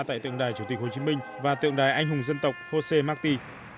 tại tượng đài chủ tịch hồ chí minh và tượng đài anh hùng dân tộc josé martí